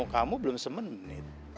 ketemu kamu belum semenit